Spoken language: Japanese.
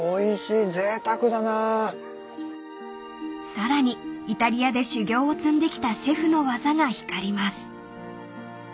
［さらにイタリアで修業を積んできたシェフの技が光ります］